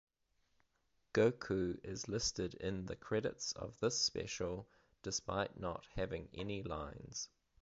Goku is listed in the credits of this special, despite not having any lines.